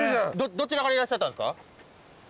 どちらからいらっしゃったんですか？